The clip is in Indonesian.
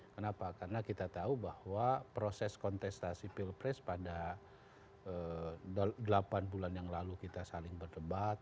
kenapa karena kita tahu bahwa proses kontestasi pilpres pada delapan bulan yang lalu kita saling berdebat